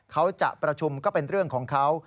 เขาจะประชุมก็เป็นเรื่องของเขา